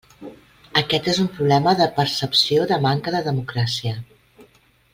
Aquest és un problema de percepció de manca de democràcia.